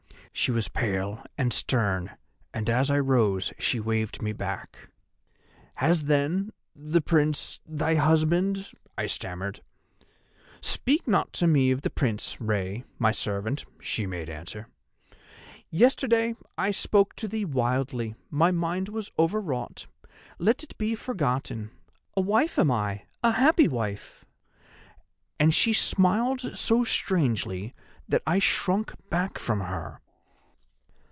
She was pale and stern, and as I rose she waved me back. "'Has, then, the Prince—thy husband——' I stammered. "'Speak not to me of the Prince, Rei, my servant,' she made answer. 'Yesterday I spoke to thee wildly, my mind was overwrought; let it be forgotten—a wife am I, a happy wife'; and she smiled so strangely that I shrunk back from her.